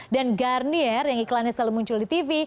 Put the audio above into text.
dan garnier yang iklannya selalu muncul di tv